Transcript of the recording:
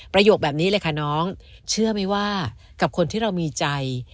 โยคแบบนี้เลยค่ะน้องเชื่อไหมว่ากับคนที่เรามีใจ